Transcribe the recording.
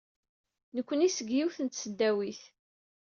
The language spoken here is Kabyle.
Nekni seg yiwet n tseddawit.